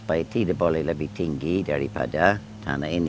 supaya tidak boleh lebih tinggi daripada tanah ini